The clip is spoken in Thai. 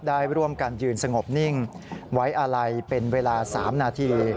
ได้ร่วมกันยืนสงบนิ่งไว้อาลัยเป็นเวลา๓นาที